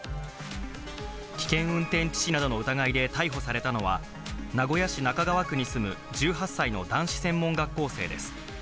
危険運転致死などの疑いで逮捕されたのは、名古屋市中川区に住む１８歳の男子専門学校生です。